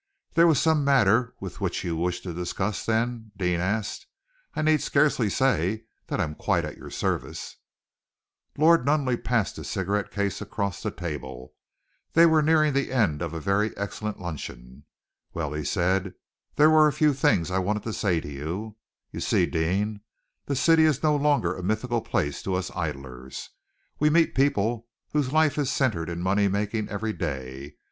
"There was some matter which you wished to discuss, then?" Deane asked. "I need scarcely say that I am quite at your service." [Illustration: "There was some matter which you wished to discuss, then?" Deane asked.] Lord Nunneley passed his cigarette case across the table. They were nearing the end of a very excellent luncheon. "Well," he said, "there were a few things I wanted to say to you. You see, Deane, the city is no longer a mythical place to us idlers. We meet people whose life is centred in money making, every day.